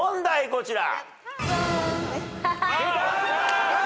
こちら。